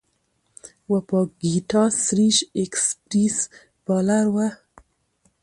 وپاګیتا سريش ایکسپریس بالر وه.